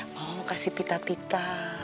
mau kasih pita pita